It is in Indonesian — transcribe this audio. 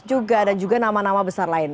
juga dan juga nama nama besar lain